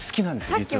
実は。